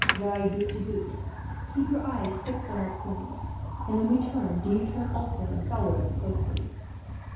Ride boot to boot. Keep your eyes fixed on our plumes and, when we turn, do you turn also, and follow us closely."